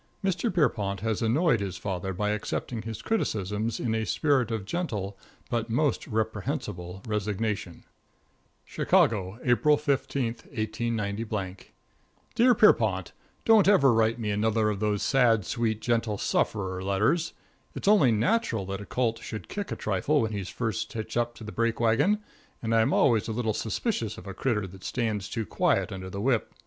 Mr. || Pierrepont has annoyed || his father by accepting || his criticisms in a || spirit of gentle, but || most reprehensible, || resignation. |++ XII CHICAGO, April 15, 189 Dear Pierrepont: Don't ever write me another of those sad, sweet, gentle sufferer letters. It's only natural that a colt should kick a trifle when he's first hitched up to the break wagon, and I'm always a little suspicious of a critter that stands too quiet under the whip.